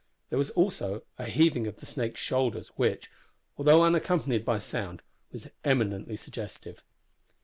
There was also a heaving of the snake's shoulders, which, although unaccompanied by sound, was eminently suggestive.